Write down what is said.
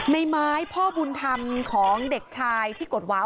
ในไม้พ่อบุญธรรมของเด็กชายที่กดหวาว